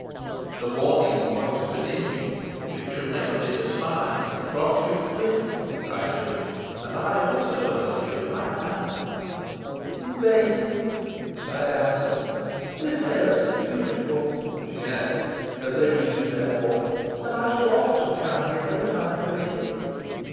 "The warning voice within you, which should never be despised, prompts you to quit it," cried Richard; "and I also urge you in like manner." "In vain," sighed Alizon. "This terrace is beautiful," she added, as they resumed their walk, "and I shall often come hither, if I am permitted.